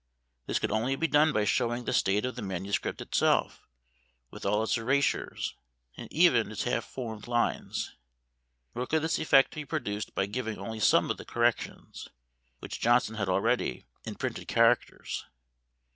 This could only be done by showing the state of the manuscript itself, with all its erasures, and even its half formed lines; nor could this effect be produced by giving only some of the corrections, which Johnson had already, in printed characters.